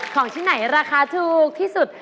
ของที่ไหนราคาทูกที่สุด